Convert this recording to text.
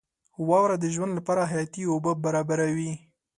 • واوره د ژوند لپاره حیاتي اوبه برابروي.